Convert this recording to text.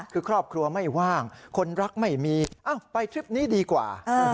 คือครอบครัวไม่ว่างคนรักไม่มีไปทริปนี้ดีกว่า